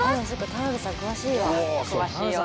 田辺さん詳しいや。